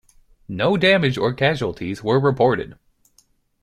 No damage or casualties were reported.